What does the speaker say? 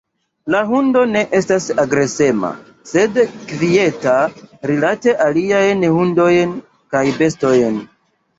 La hundo ne estas agresema, sed kvieta rilate aliajn hundojn kaj bestojn.